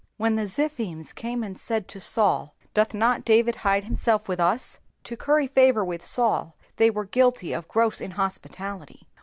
When the Ziphims came and said to Sanl, Doth not David hide himself with us? To curry favour with Saul they were guilty of gross inhospUalUy.